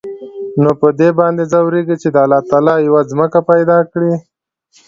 نو په دې باندې ځوريږي چې د الله تعال يوه ځمکه پېدا کړى.